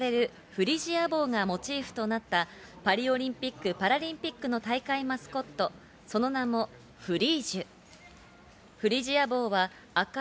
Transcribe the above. フリジア帽がモチーフとなったパリオリンピック・パラリンピックの大会マスコット、その名もフリージュ。